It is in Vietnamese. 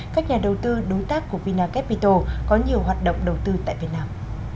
các nhà đầu tư đối tác của vinacapito có nhiều hoạt động đầu tư tại việt nam